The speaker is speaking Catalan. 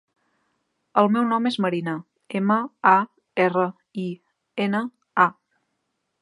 El meu nom és Marina: ema, a, erra, i, ena, a.